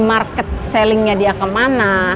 market sellingnya dia kemana